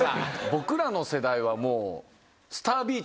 僕らの世代はもう。